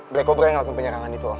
black cobra yang ngelakuin penyerangan itu